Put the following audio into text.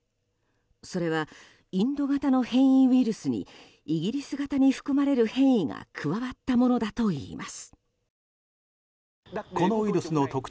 それはインド型の変異ウイルスにイギリス型に含まれる変異が加わったものだといいます。